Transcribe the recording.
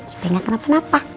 supaya gak kenapa napa